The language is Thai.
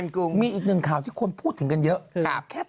ขโมยถุงยางครับ